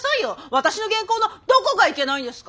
私の原稿のどこがいけないんですか！？